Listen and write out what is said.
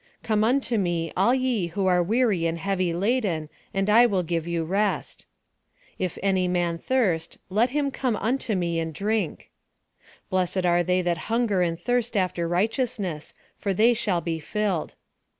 " Come unto me, all ye who are weary and heavy laden, and I will give you rest." " Jf any man thirst, let him come unto me and drink." " Blessed are they that hunger and thirst after righteousness, for they shall be filled."